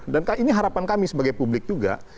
dan ini harapan kami sebagai publik juga